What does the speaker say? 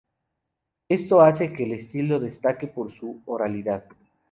Esto hace que el estilo destaque por su oralidad.